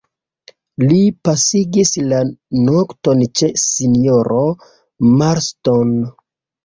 Li pasigis la nokton ĉe sinjoro Marston.